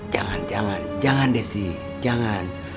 jangan jangan jangan desi jangan